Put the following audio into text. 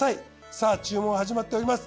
さぁ注文始まっております。